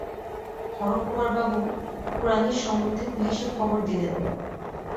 হরকুমারবাবু কুড়ানির সম্বন্ধে পুলিসে খবর দিলেন।